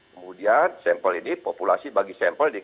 kemudian sampel ini populasi bagi sampel